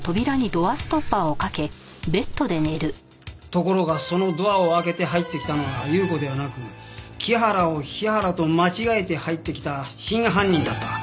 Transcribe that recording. ところがそのドアを開けて入ってきたのは優子ではなく木原を日原と間違えて入ってきた真犯人だった。